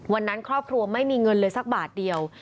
วันนั้นครอบครัวไม่มีเงินเลยสักบาทเดียว